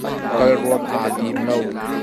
Kal ruam aa tim lo.